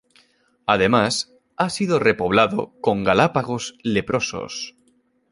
Además, ha sido repoblado con galápagos leprosos.